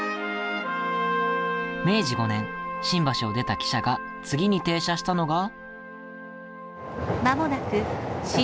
明治５年、新橋を出た汽車が次に停車したのが。